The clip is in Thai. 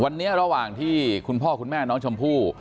วันนี้ระหว่างที่คุณพ่อคุณแม่น้องชมพู่